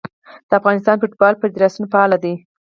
د افغانستان فوټبال فدراسیون فعال دی.